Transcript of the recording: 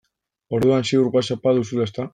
Orduan ziur Whatsapp-a duzula, ezta?